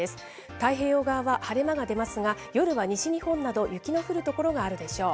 太平洋側は晴れ間が出ますが、夜は西日本など雪の降る所があるでしょう。